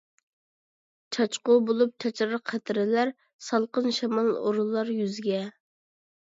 چاچقۇ بولۇپ چاچرار قەترىلەر، سالقىن شامال ئۇرۇلار يۈزگە.